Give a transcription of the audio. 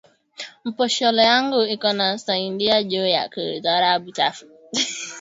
Mposholo yangu iko na saidia nju ya ku zola buchafu